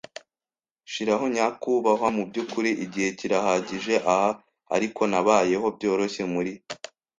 shiraho nyakubahwa mubyukuri. Igihe kirahagije. Ah, ariko nabayeho byoroshye muri